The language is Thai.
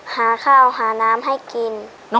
หาข้าวหาน้ำให้กิน